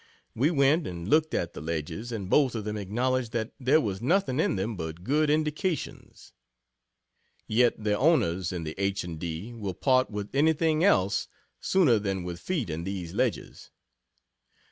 We went and looked at the ledges, and both of them acknowledged that there was nothing in them but good "indications." Yet the owners in the H. and D. will part with anything else sooner than with feet in these ledges.